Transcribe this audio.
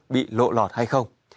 bị lộ lọt hay không